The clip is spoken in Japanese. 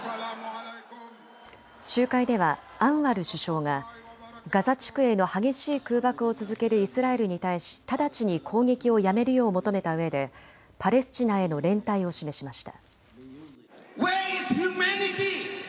集会ではアンワル首相がガザ地区への激しい空爆を続けるイスラエルに対し直ちに攻撃をやめるよう求めたうえでパレスチナへの連帯を示しました。